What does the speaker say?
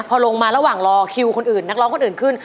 พอลงมาระหว่างรอคิวคนอื่นนักร้องคนอื่นขึ้น